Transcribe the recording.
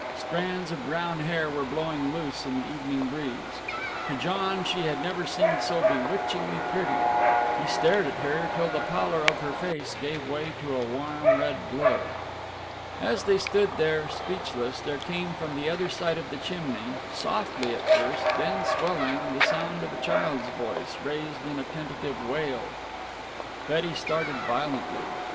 Strands of brown hair were blowing loose in the evening breeze. To John she had never seemed so bewitchingly pretty. He stared at her till the pallor of her face gave way to a warm red glow. As they stood there, speechless, there came from the other side of the chimney, softly at first, then swelling, the sound of a child's voice, raised in a tentative wail. Betty started violently.